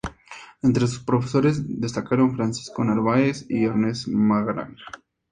Entre sus profesores destacaron Francisco Narváez y Ernest Maragall.